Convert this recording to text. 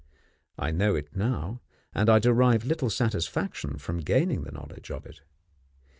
I know it now, and I derive little satisfaction from gaining the knowledge of it.